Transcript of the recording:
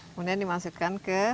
kemudian dimasukkan ke